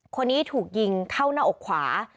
คนนี้ถูกยิงเข้าหน้าอกขวา